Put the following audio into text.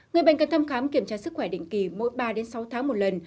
người bệnh cần thăm khám kiểm tra sức khỏe định kỳ mỗi ba sáu tháng một lần